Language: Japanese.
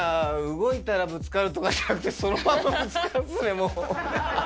動いたらぶつかるとかじゃなくて、そのままぶつかってる、もう。